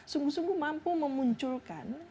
sungguh sungguh mampu memunculkan